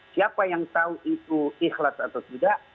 siapa yang tahu itu ikhlas atau tidak